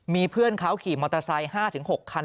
มีเพื่อนเขาขี่มอเตอร์ไซค์๕๖คัน